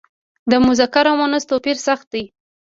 د مذکر او مونث توپیر سخت دی.